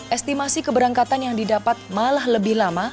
estimasi keberangkatan yang didapat malah lebih lama